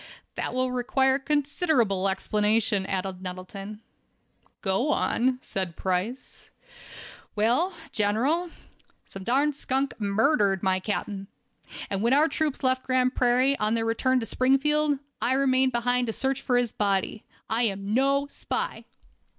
"That will require considerable explanation," added Nettleton. "Go on," said Price. "Well, General, some darn skunk murdered my captain, and when our troops left Grand Prairie, on their return to Springfield, I remained behind to search for his body. I am no spy."